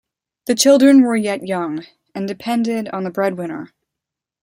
The children were yet young, and depended on the breadwinner.